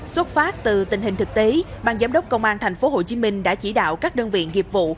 xuất phát từ tình hình thực tế bang giám đốc công an thành phố hồ chí minh đã chỉ đạo các đơn viện nghiệp vụ